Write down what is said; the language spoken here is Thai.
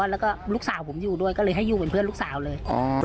แล้วก็ลูกสาวผมอยู่ด้วยก็เลยให้อยู่เป็นเพื่อนลูกสาวเลย